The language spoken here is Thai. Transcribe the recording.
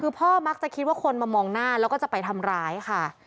คือพ่อมักจะคิดว่าคนมามองหน้าแล้วก็จะไปทำร้ายค่ะ